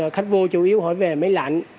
khách vua chủ yếu hỏi về máy lạnh